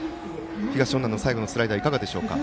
東恩納の最後のスライダーどうでしょうか。